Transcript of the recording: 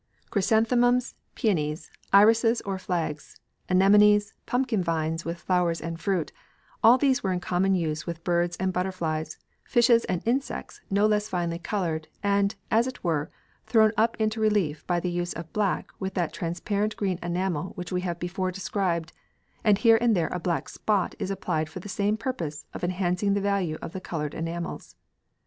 Chrysanthemums, peonies, irises or flags, anemones, pumpkin vines with flowers and fruit all these were in common use with birds and butterflies, fishes and insects no less finely coloured, and, as it were, thrown up into relief by the use of black with that transparent green enamel which we have before described, and here and there a black spot is applied for the same purpose of enhancing the value of the coloured enamels.